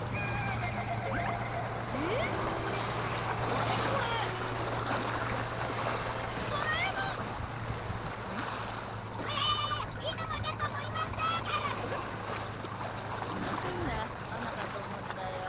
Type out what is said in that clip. なんだママかと思ったよ。